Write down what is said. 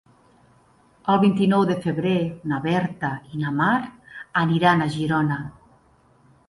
El vint-i-nou de febrer na Berta i na Mar aniran a Girona.